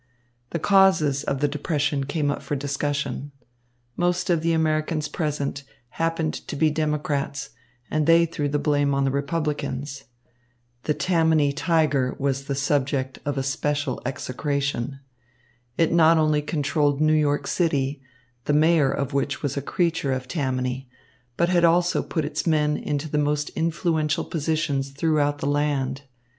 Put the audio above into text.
The causes of the depression came up for discussion. Most of the Americans present happened to be Democrats, and they threw the blame on the Republicans. The Tammany Tiger was the subject of especial execration. It not only controlled New York City, the mayor of which was a creature of Tammany, but had also put its men into the most influential positions throughout the land.